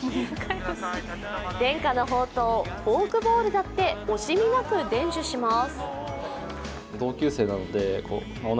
伝家の宝刀・フォークボールだって惜しみなく伝授します。